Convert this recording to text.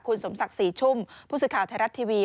คุณสมศักร์ษี่ชุ่มพูโหสุทธิภาวไทยรัฐทีวี